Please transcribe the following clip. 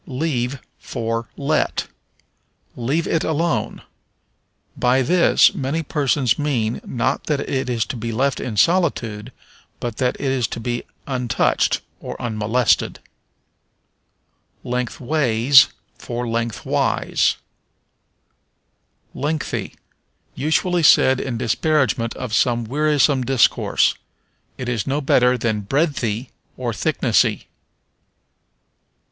Leave for Let. "Leave it alone." By this many persons mean, not that it is to be left in solitude, but that it is to be untouched, or unmolested. Lengthways for Lengthwise. Lengthy. Usually said in disparagement of some wearisome discourse. It is no better than breadthy, or thicknessy.